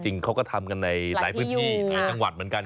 จริงเขาก็ทำกันในหลายพื้นที่หลายจังหวัดเหมือนกัน